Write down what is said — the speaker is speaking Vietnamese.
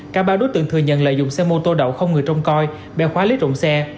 cả ba đối tượng thừa nhận lợi dụng xe mô tô đậu không người trông coi bèo khóa lít rộng xe